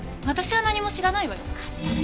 私は何も知らないわよ。